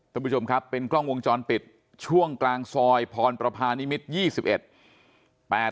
ท่านผู้ชมครับเป็นกล้องวงจรปิดช่วงกลางซอยพรประพานิมิตร๒๑